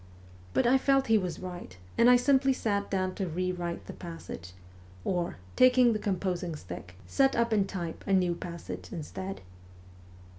But I felt he was right, and I simply sat down to rewrite the passage, or, taking the composing stick, set up in type a new passage instead.